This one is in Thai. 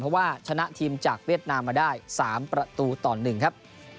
เพราะว่าชนะทีมจากเวียดนามมาได้๓ประตูต่อ๑ครับ